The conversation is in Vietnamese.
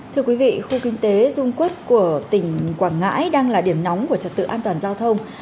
thưa quý vị khu kinh tế dung quốc của tỉnh quảng ngãi đang là điểm nóng của trật tự an toàn giao thông